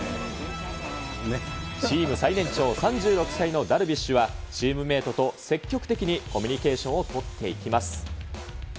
チーム最年長、３６歳のダルビッシュは、チームメートと積極的にコミュニケーションをとっていきます。